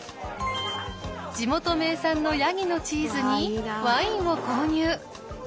地元名産のヤギのチーズにワインを購入！